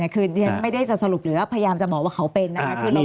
คือยังไม่ได้สรุปหรือพยายามจะหมอว่าเขาเป็นนะคะ